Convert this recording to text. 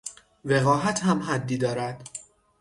وقاحت هم حدی دارد